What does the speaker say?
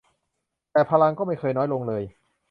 แต่พลังก็ไม่เคยน้อยลงเลย